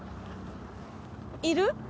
いる？